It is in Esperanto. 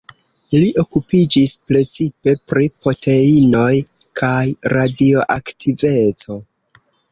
Li okupiĝis precipe pri proteinoj kaj radioaktiveco.